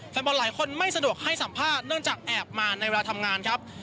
แฟนบอลหลายคนไม่สะดวกให้สัมภาษณ์เนื่องจากแอบมาในเวลาทำงานครับ